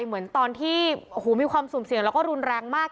เหมือนตอนที่มีความสุ่มเสี่ยงแล้วก็รุนแรงมาก